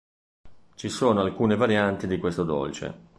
Ci sono alcune varianti di questo dolce.